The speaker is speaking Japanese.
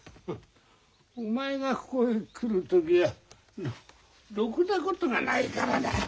お前がここへ来る時はろくなことがないからな。